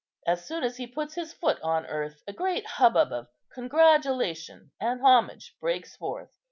As soon as he puts foot on earth, a great hubbub of congratulation and homage breaks forth.